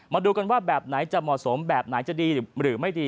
มาดูกันว่าแบบไหนจะเหมาะสมแบบไหนจะดีหรือไม่ดี